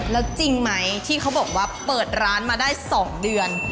แล้วจริงไหมที่เขาบอกว่าเปิดร้านมาได้๒เดือน